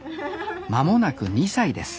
まもなく２歳です